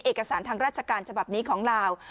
เอกสารทางราชการฉบับนี้ของลาว